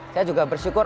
saya juga bersyukur